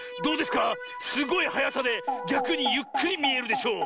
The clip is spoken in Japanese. すごいはやさでぎゃくにゆっくりみえるでしょ？